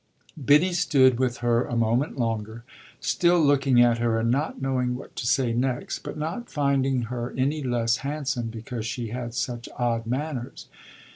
Biddy stood with her a moment longer, still looking at her and not knowing what to say next, but not finding her any less handsome because she had such odd manners.